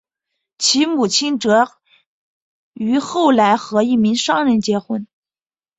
其母亲则于后来和一名商人结婚。